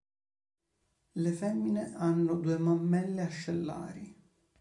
Le femmine hanno due mammelle ascellari.